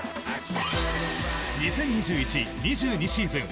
２０２１‐２２シーズン